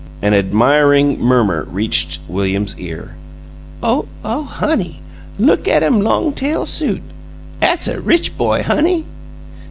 An admiring murmur reached William's ear. "OH, oh, honey! Look attem long tail suit! 'At's a rich boy, honey!"